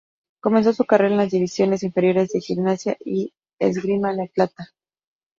Comenzó su carrera en las divisiones inferiores de Gimnasia y Esgrima La Plata.